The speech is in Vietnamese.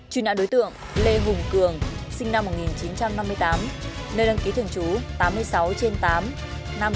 truy nã đối tượng lê hùng cường sinh năm một nghìn chín trăm năm mươi tám nơi đăng ký thường trú thị trấn vạn ninh tỉnh thánh hòa